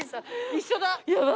一緒だ。